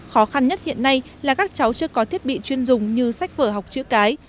khó khăn nhất hiện nay là các cháu chưa có thiết bị chuyên dùng như sách vở học chữ cái